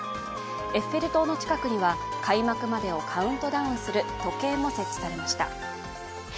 エッフェル塔近くには開幕までをカウントダウンする時計も設置されました。